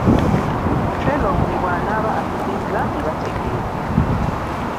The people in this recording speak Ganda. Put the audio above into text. Trelawney bw'anaaba akkirizza, mbibategeeze.